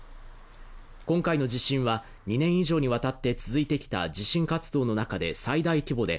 今回の地震は、２年以上にわたって続いてきた地震活動の中で最大規模で